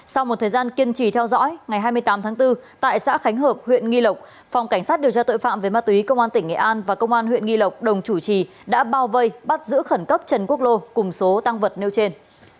sau một thời gian kiên trì theo dõi ngày hai mươi tám tháng bốn tại xã khánh hợp huyện nghi lộc phòng cảnh sát điều tra tội phạm về ma túy công an tỉnh nghệ an và công an huyện nghi lộc đồng chủ trì đã bao vây bắt giữ khẩn cấp trần quốc lô cùng số tăng vật nêu trên